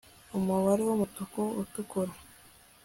umubare wumutuku utukura